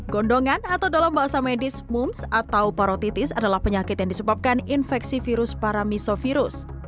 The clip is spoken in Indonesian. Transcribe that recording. gondongan atau dalam bahasa medis mums atau parotitis adalah penyakit yang disebabkan infeksi virus paramisovirus